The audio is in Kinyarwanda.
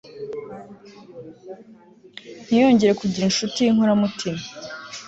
ntiyongere kugira incuti y'inkoramutima